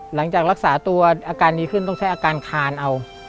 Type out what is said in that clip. หลังจากรักษาตัวอาการดีขึ้นต้องใช้อาการคานเอา